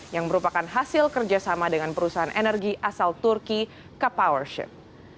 yang merupakan hasil kerjasama dengan perusahaan energi asal turki ke powership